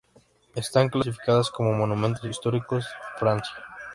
Están clasificadas como "monumentos históricos de Francia".